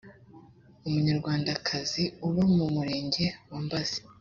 umunyarwandakazi uba mu murenge wa mbazi